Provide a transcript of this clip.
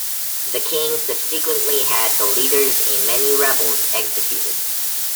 The king subsequently had the leaders and many rebels executed.